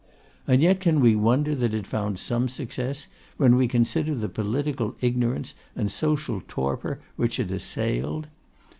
And yet can we wonder that it found some success, when we consider the political ignorance and social torpor which it assailed?